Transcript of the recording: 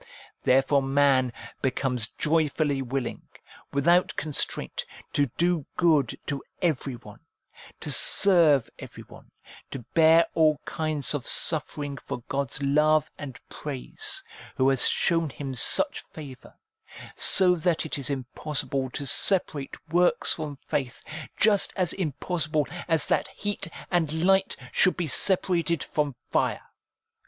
Therefore man becomes joyfully willing, without constraint, to do good to everyone, to serve everyone, to bear all kinds of suffering for God's love and praise, who has shown him such favour ; so that it is impossible to separate works from faith, just as impossible as that heat and light should be separated from fire.